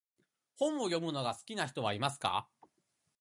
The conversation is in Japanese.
本を読むのが好きな人はいますか？